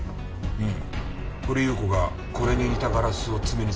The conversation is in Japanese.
うん！